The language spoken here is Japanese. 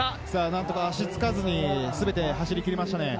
何とか足がつかずに全て走りきりましたね。